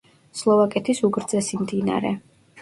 სლოვაკეთის უგრძესი მდინარე.